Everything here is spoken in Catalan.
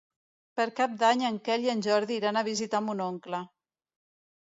Per Cap d'Any en Quel i en Jordi iran a visitar mon oncle.